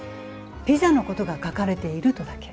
ピザのことが書かれているとだけ。